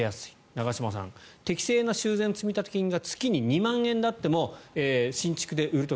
長嶋さん、適正な修繕積立金が月に２万円であっても新築で売る時